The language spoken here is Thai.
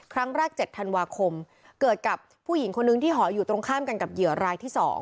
ครั้งแรก๗ธันวาคมเกิดกับผู้หญิงคนนึงที่หออยู่ตรงข้ามกันกับเหยื่อรายที่๒